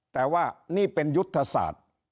แต่ว่านี่เป็นยุทธศาสตร์